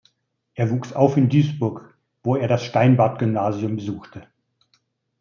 Er wuchs auf in Duisburg, wo er das Steinbart-Gymnasium besuchte.